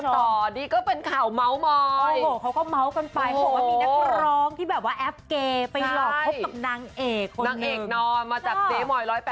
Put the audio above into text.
ก็ต่อดีก็เป็นข่าวเมาท์มอย